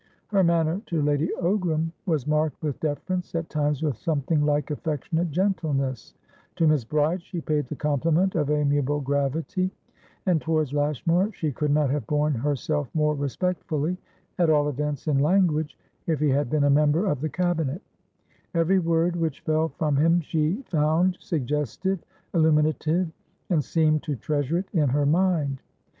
Her manner to Lady Ogram was marked with deference, at times with something like affectionate gentleness; to Miss Bride she paid the compliment of amiable gravity; and towards Lashmar she could not have borne herself more respectfullyat all events in languageif he had been a member of the Cabinet; every word which fell from him she found suggestive, illuminative, and seemed to treasure it in her mind.